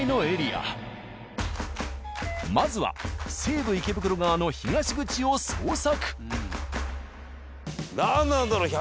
まずは西武池袋側の東口を捜索。